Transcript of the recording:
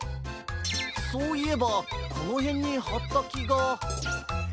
そういえばこのへんにはったきが。